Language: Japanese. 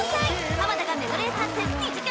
浜田がメドレー参戦２時間